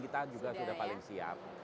kita juga sudah paling siap